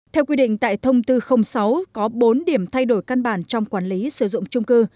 theo quy định tại thông tư sáu có bốn điểm thay đổi căn bản trong quản lý sử dụng trung cư